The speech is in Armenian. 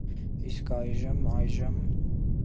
Իսկ ա՞յժմ, ա՞յժմ: